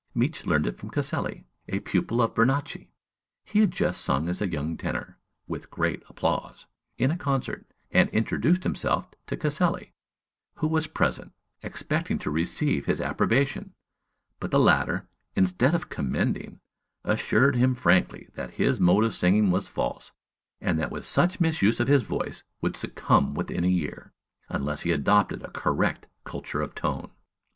Miksch learned it from Caselli, a pupil of Bernacchi. He had just sung as a young tenor, with great applause, in a concert, and introduced himself to Caselli, who was present, expecting to receive his approbation; but the latter, instead of commending, assured him frankly that his mode of singing was false, and that with such misuse his voice would succumb within a year, unless he adopted a correct culture of tone.